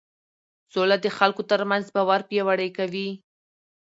سوله د خلکو ترمنځ باور پیاوړی کوي